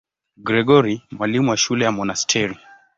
Gregori, mwalimu wa shule ya monasteri.